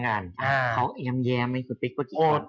เขาเอียมแยมให้สุดปิ๊กก็จริง